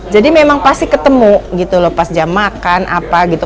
jadi memang pasti ketemu gitu loh pas jam makan apa gitu